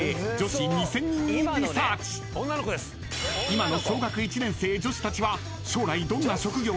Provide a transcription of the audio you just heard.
［今の小学１年生女子たちは］